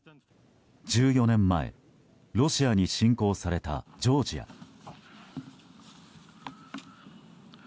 １４年前、ロシアに侵攻されたジョージア。